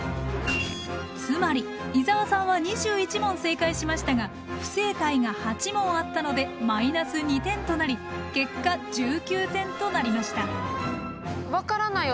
つまり伊沢さんは２１問正解しましたが不正解が８問あったのでマイナス２点となり結果１９点となりました。